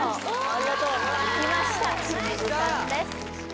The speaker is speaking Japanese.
ありがとうきました清水さんです